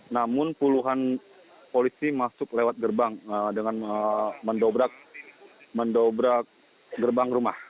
namun puluhan polisi masuk lewat gerbang dengan mendobrak gerbang rumah